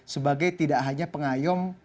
sebagai tidak hanya pengayung